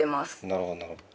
なるほどなるほど。